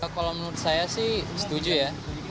kalau menurut saya sih setuju ya